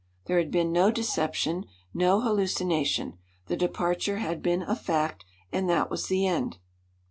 There had been no deception; no hallucination the departure had been a fact; and that was the end.